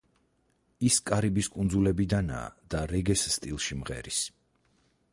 ის კარიბის კუნძულებიდანაა და რეგეს სტილში მღერის.